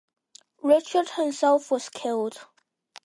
Richard himself was killed.